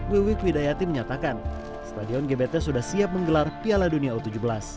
wiwi kwidayati menyatakan stadion gbt sudah siap menggelar piala dunia u tujuh belas